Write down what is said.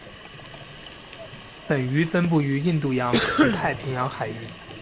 本鱼分布于印度洋及太平洋海域。